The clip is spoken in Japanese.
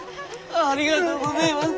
ありがとうごぜえます。